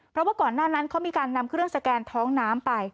เพราะว่าก่อนหน้านั้นเขามีการนำเครื่องสแกนท้องน้ำไป